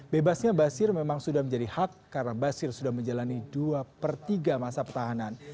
bebasnya basir memang sudah menjadi hak karena basir sudah menjalani dua per tiga masa pertahanan